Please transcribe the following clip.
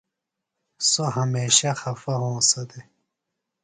سوۡ ہمیشہ خپہ ہونسہ دےۡ۔